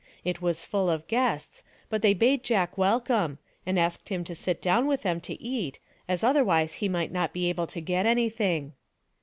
It was full of guests, but they bade Jack welcome, and asked him to sit down with them to eat, as otherwise he might not be able to get anything.